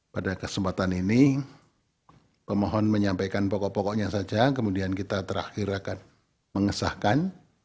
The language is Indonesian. pada kesempatan ini pemohon menyampaikan pokok pokoknya saja kemudian kita terakhir akan mengesahkan